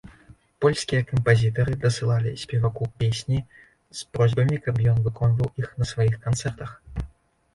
Польскія кампазітары дасылалі спеваку песні з просьбамі, каб ён выконваў іх на сваіх канцэртах.